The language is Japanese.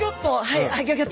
はい。